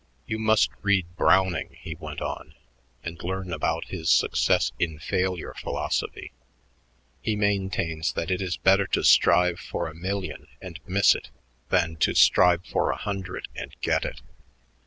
"You must read Browning," he went on, "and learn about his success in failure philosophy. He maintains that it is better to strive for a million and miss it than to strive for a hundred and get it.